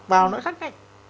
vào nó khác cách